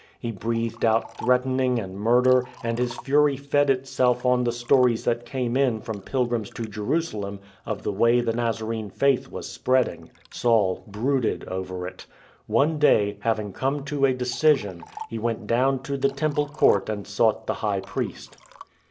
He breathed out threatening and murder, and his fury fed itself on the stories that came in from pilgrims to Jerusalem of the way the Nazarene faith was spreading. Saul brooded over it. One day, hav ing come to a decision, he went down to the Temple court and sought the High Priest.